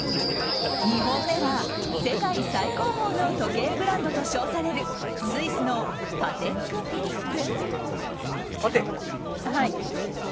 ２本目は世界最高峰の時計ブランドと称されるスイスのパテックフィリップ。